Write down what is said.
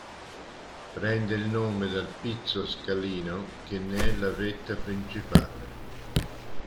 Prende il nome dal Pizzo Scalino che ne è la vetta principale.